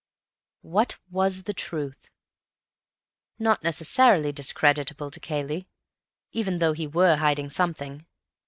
What was the truth? Not necessarily discreditable to Cayley, even though he were hiding something.